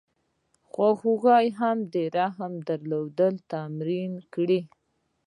د خواخوږۍ او رحم درلودل تمرین کړه.